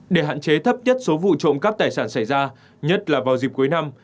để hạn chế thấp nhất số vụ trộm cắp tài sản xảy ra nhất là vào dịp cuối năm